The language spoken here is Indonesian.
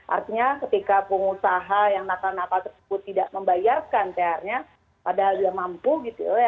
artinya ketika pengusaha yang nakal nakal tersebut tidak membayarkan thr nya padahal dia mampu gitu ya